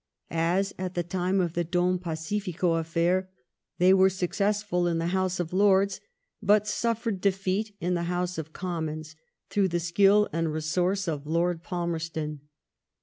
As at the time of the Don Pacifico affair^ they were successful in the House of Lords, but suffered defeat in the House of Commons, through thB skill and resource of Lord Palmerston.